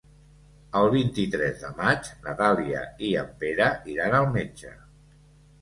El vint-i-tres de maig na Dàlia i en Pere iran al metge.